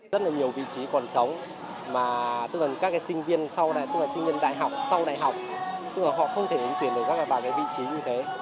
rất nhiều vị trí còn trống mà các sinh viên sau đại học tức là các sinh viên đại học sau đại học tức là họ không thể tuyển được các vị trí như thế